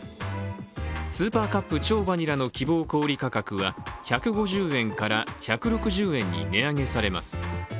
スーパーカップ超バニラの希望小売価格は１５０円から１６０円に値上げされます。